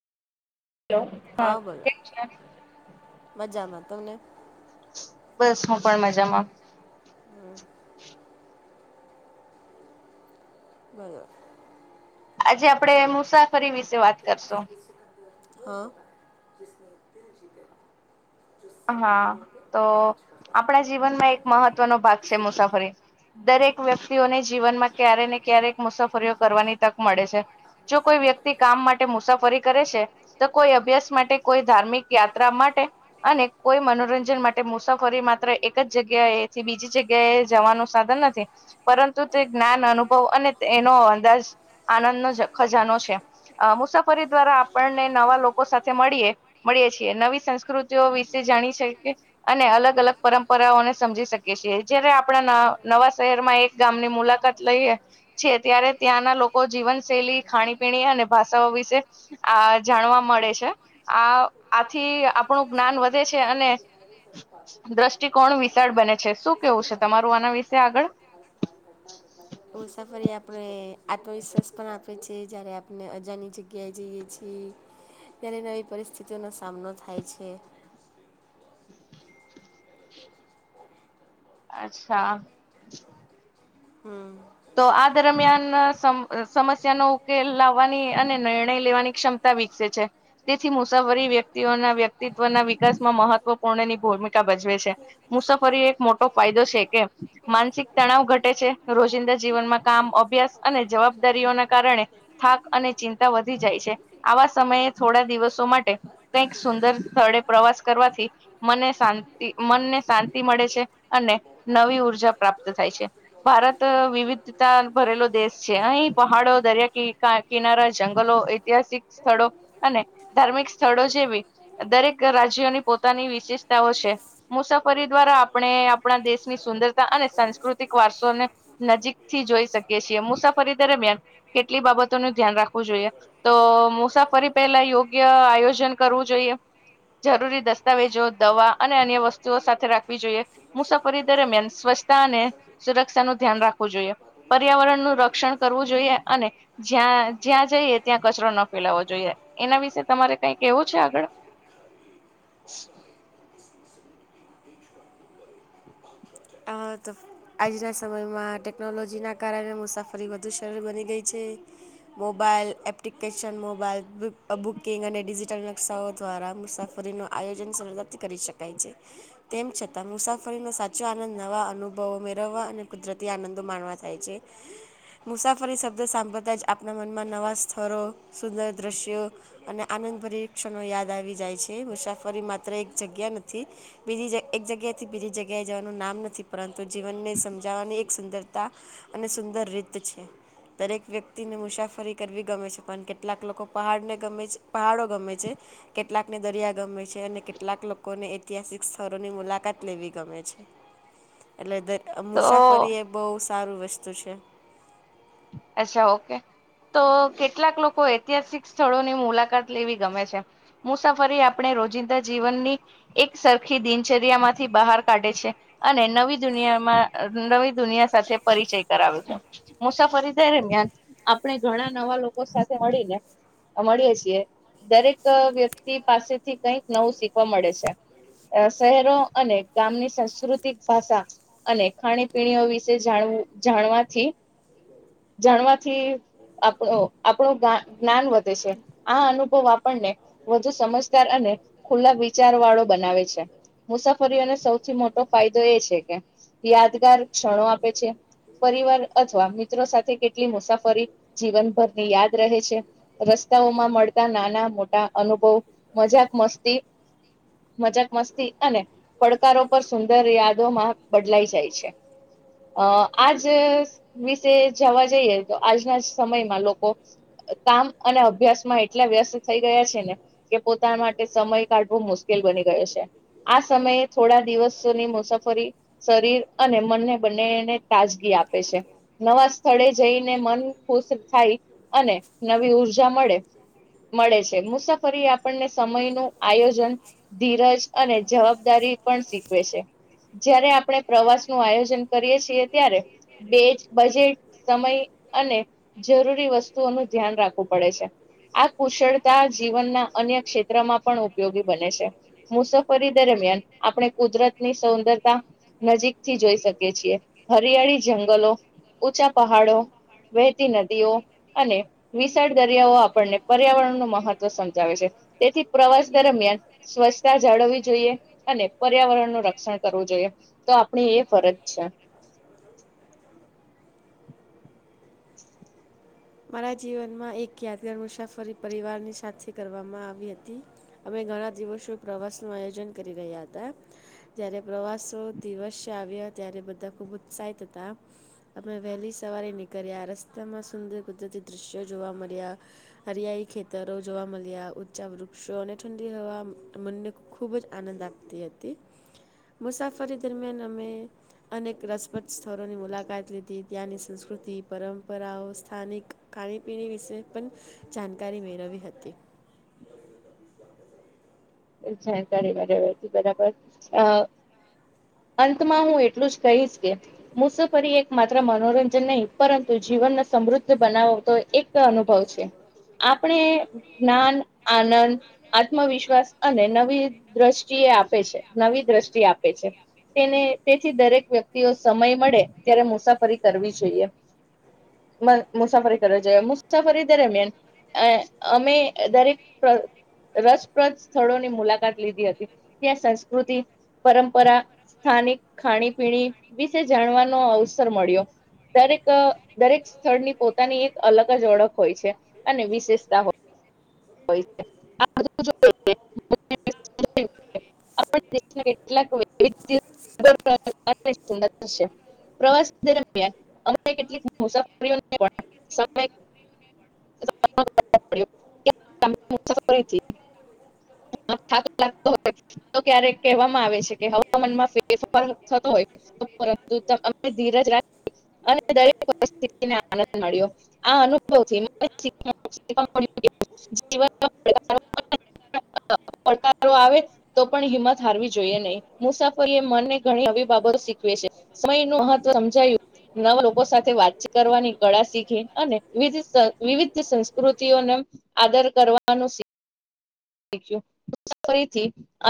hello હા કેમ છે મજામાં તમને બસ હું પણ મજામાં [unintelligible] આજે આપડે મુસાફરી વિશે વાત કરશું હા [unintelligible] હા તો આપણા જીવનમાં એક મહત્વનો ભાગ છે મુસાફરી દરેક વ્યક્તિઓને જીવનમાં ક્યારે ને ક્યારેક મુસાફરીઓ કરવાની તક મળે છે જો કોઈ વ્યક્તિ કામ માટે મુસાફરી કરે છે તો કોઈ અભ્યાસ માટે કોઈ ધાર્મિક યાત્ર માટે અને કોઈ મનોરંજન માટે મુસાફરી માત્ર એક જ જગ્યાએથી બીજી જગ્યાએ જવાનો સાધન નથી પરંતુ તે જ્ઞાન અનુભવ અને તેનો અંદાજ આનંદનો ખજાનો છે અ મુસાફરી દ્વારા આપણને નવા લોકો સાથે મળીએ મળીએ છીએ નવી સંસ્કૃતિ વિશે જાણી શકીએ અને અલગ અલગ પરંપરાઓને સમજી શકી છીએ જયારે આપણા નવા નવા શહેરમાં એક ગામની મુલાકાત લઈએ છીએ ત્યારે ત્યાંના લોકો જીવનશૈલી ખાણીપીણી અને ભાષાઓ વિશે આ જાણવા મળે છે આ આથી આપણું જ્ઞાન વધે છે અને [unintelligible] આપણે દ્રષ્ટિકોણ વિશાળ બને છે શું કેવું છે તમારું આના વિશે આગળ આત્મવિશ્વાસ પણ આપે છે જ્યારે આપણે અજાની જગ્યાએ જઈએ છીએ ત્યારે નવી પરિસ્થિતિઓનો સામનો થાય છે અચ્છા હમ્મ તો આ દરમિયાન સમ સમસ્યાનો ઉકેલ લાવવાની અને નિર્ણય લેવાની ક્ષમતા વિકસે છે જેથી મુસાફરી વ્યક્તિઓના વ્યક્તિત્વના વિકાસમાં મહત્વપૂર્ણની ભૂમિકા ભજવે છે મુસાફરી એક મોટો ફાયદો છે કે માનસિક તણાવ ઘટે છે રોજિંદા જીવનમાં કામ અભ્યાસ અને જવાબદારીઓના કારણે થાક અને ચિંતા વધી જાય છે આવા સમયે થોડા દિવસો માટે કઈક સુંદર સ્થળે પ્રવાસ કરવાથી મને શાંતિ મનને શાંતિ મળે છે અને નવી ઉર્જા પ્રાપ્ત થાય છે ભારત વિવિધ ભરેલો દેશ છે અહીં પહાડો દરિયા કિનારા જંગલો ઐતિહાસિક સ્થળો અને ધાર્મિક સ્થળો જેવી દરેક રાજ્યોની પોતાની ની વિશેષતાઓ છે મુસાફરી દ્વારા આપણે આપણા દેશની સુંદરતા અને સાંસ્કૃતિક વારસોને નજીક થી જોઈ શકીએ છીએ મુસાફરી દરમિયાન કેટલી બાબતોનું ધ્યાન રાખવું જોઈએ તો મુસાફરી પહેલા યોગ્ય આયોજન કરવું જોઈએ જરૂરી દસ્તાવેજો દવા અને અન્ય વસ્તુઓ સાથે રાખવી જોઈએ મુસાફરી દરમિયાન સ્વચ્છતા અને સુરક્ષા નું ધ્યાન રાખવું જોઈએ પર્યાવરણનું રક્ષણ કરવું જોઈએ અને જ્યાં જ્યાં જઈએ ત્યાં કચરો ન ફેલાવવો જોઈએ એના વિશે તમારે કઈ કેવું છે આગળ આ તો આજના સમયમાં ટેકનોલોજી ના કારણે મુસાફરી વધુ સરળ બની ગઈ છે મોબાઈલ એપ્લિકેશન મોબાઈલ બુકિંગ અને ડિજિટલ નકશાઓ દ્વારા મુસાફરી રીયોજન સરથી કરી શકાય છે તેમ છતાં મુસાફરીનો સાચો આનંદ નવા અનુભવો મેળવવા અને કુદરતી આનંદો માણવા થાય છે મુસાફરી શબ્દ સાંભળતા જ આપણા મનમાં નવા સ્થરો સુંદર દ્રશ્યો અને આનંદભરી પરીક્ષણો યાદ આવી જાય છે મુસાફરી માત્ર એક જગ્યા નથી બીજી એક જગ્યાથી બીજી જગ્યાએ જવાનું નામ નથી પરંતુ જીવનને સમજાવવાની એક સુંદરતા અને સુંદર રીત છે દરેક વ્યક્તિને મુસાફરી કરવી ગમે છે પણ કેટલાક લોકો પહાડને ગમે છે પહાડો ગમે છે કેટલાક ને દરિયા ગમે છે અને કેટલાક લોકોને ઐતિહાસિક સ્થળોની મુલાકાત લેવી ગમે છે એટલે દ તો મુસાફરીએ બહુ સારું વસ્તુ છે અચ્છા ઓકે તો કેટલાક લોકો ઐતિહાસિક સ્થળોની મુલાકાત લેવી ગમે છે મુસાફરી આપણે રોજિંદા જીવનની એક સરખી દિનચર્યામાંથી બહાર કાઢે છે અને નવી દુનિયામાં નવી દુનિયા સાથે પરિચય કરાવે છે મુસાફરી દરમિયાન આપણે ઘણા નવા લોકો સાથે મળીને મળીએ છીએ દરેક વ્યક્તિ પાસેથી કઈક નવું શીખવા મળે છે શહેરો અને ગામની સાંસ્કૃતિક ભાષા અને ખાણીપીણીઓ વિશે જાણવું જાણવાથી જાણવાથી આપણ આપણું જ્ઞાન વધે છે આ અનુભવ આપણને વધુ સમજદાર અને ખુલ્લા વિચાર વાળો બનાવે છે મુસાફરીઓને સૌથી મોટો ફાયદો એ છે કે યાદગાર ક્ષણો આપે છે પરિવાર અથવા કેટલી મુસાફરી જીવનભરની યાદ રહે છે રસ્તાઓમાં મળતા નાના મોટા અનુભવ મજાક મસ્તી મજાક મસ્તી અને પડકારો પર સુંદર યાદોમાં બદલાઈ જાય છે આજ જવા જઈએ તો આજના સમયમાં લોકો કામ અને અભ્યાસમાં એટલા વ્યસ્ત થઈ ગયા છે ને કે પોતાના માટે સમય કાઢવો મુશ્કેલ બની ગયો છે આ સમયે થોડા દિવસની મુસાફરી શરીર અને મનને બંનેને તાજગી આપે છે નવા સ્થળે જઈને મન ખુશ થાય અને નવી ઉર્જા મળે મળે છે મુસાફરી આપણને સમય નું આયોજન ધીરજ અને જવાબદારી પણ શીખવે છે જ્યારે આપણે પ્રવાસ નું આયોજન કરીએ છીએ ત્યારે બે જ બજેટ સમય અને જરૂરી વસ્તુઓનું ધ્યાન રાખવું પડે છે આ કુશળતા જીવનના અન્ય ક્ષેત્રમાં પણ ઉપયોગી બને છે મુસાફરી દરમિયાન આપણે કુદરતની સૌદરતા નજીકથી જોઈ શકીએ છીએ હરિયાળી જંગલો ઊંચા પહાડો વહેતી નદીઓ અને વિશાળ દરિયાઓ આપણને પર્યાવરણનું મહત્ત્વ સમજાવે છે તેથી પ્રવાસ દરમિયાન સ્વચ્છતા જાળવવી જોઈએ અને પર્યાવરણનું રક્ષણ કરવું જોઈએ તો આપણી એ ફરજ છે મારા જીવનમાં એક યાદગાર મુસાફરી પરિવારની સાથે કરવામાં આવી હતી અમે ઘણા દિવસો પ્રવાસ નું આયોજન કરી રહ્યા હતા જ્યારે પ્રવાસો દિવસે આવ્યા ત્યારે બધા ખુબ ઉત્સાહિત હતા અમે વહેલી સવારે નીકળ્યા રસ્તામાં સુંદર કુદરતી દૃશ્યો જોવા મળ્યા હરિયાળી ખેતરો જોવા મળ્યા ઊંચા વૃક્ષો અને ઠંડી રહેવા મનને ખૂબ જ આનંદ આપતી હતી મુસાફરી દરમિયાન અમે અનેક રસપ્રદ સ્થળોની મુલાકાત લીધી ત્યાંની સંસ્કૃતિ પરંપરાઓ સ્થાનિક ખાણીપીણી વિશે પણ જાણકારી મેળવી હતી જાણકારી બરાબર અંતમાં હું એટલું જ કહીશ કે મુસાફરી એક માત્ર મનોરંજન નહીં પરંતુ જીવનને સમૃદ્ધ બનાવો તો એક અનુભવ છે આપણે જ્ઞાન આનંદ આત્મવિશ્વાસ અને નવી દ્રષ્ટિ એ આપે છે નવી દ્રષ્ટિ આપે છે તેને તેથી દરેક વ્યક્તિઓ સમય મળે ત્યારે મુસાફરી કરવી જોઈએ મુસાફરી કરવી જોઈએ મુસાફરી દરમિયાન અમે દરેક રસપ્રદ સ્થળોની મુલાકાત લીધી હતી ત્યાં સંસ્કૃતિ પરંપરા સ્થાનિક ખાણીપીણી વિશે જાણવાનો અવસર મળ્યો દરેક દરેક સ્થળની પોતાની એક અલગ જ ઓળખ હોય છે અને વિશેષતા હોય [inaudible] પ્રવાસ દરમિયાન અટલીક મુસાફરી [inaudible] સારી લતો હો ક્યારેક કહેવામાં આવે છે કે હવામાનમાં ફેરફાર થતો હોય ધીરજ રા અને દરેક પરિિતિ આનંદ મળ્યો આ અનુભવથી [inaudible] ડકારો આવે તો પણ હિંમત હારવી જોઈએ નહીં મુસાફરી એ મનને ઘણી અવી બાબતો શીખવે છે સમય નું અંત સમજાયું નવા લોકો સાથે વાતીત કરવાની કળા શીખી અને વિવિધ સંસ્કૃતિઓને આદર કરવાનું [inaudible] ફરીથી